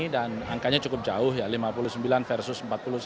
dan angkanya cukup jauh ya lima puluh sembilan versus empat puluh satu